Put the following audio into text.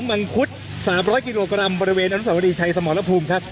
ทางกลุ่มมวลชนทะลุฟ้าทางกลุ่มมวลชนทะลุฟ้า